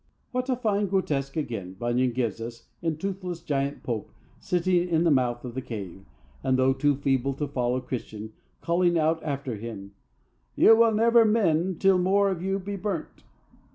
What a fine grotesque, again, Bunyan gives us in toothless Giant Pope sitting in the mouth of the cave, and, though too feeble to follow Christian, calling out after him: "You will never mend till more of you be burnt."